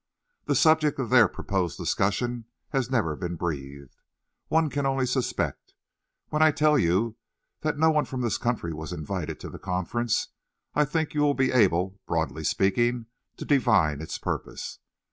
The subject of their proposed discussion has never been breathed. One can only suspect. When I tell you that no one from this country was invited to the conference, I think you will be able, broadly speaking, to divine its purpose.